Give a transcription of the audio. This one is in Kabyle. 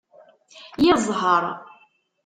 Yir zzheṛ!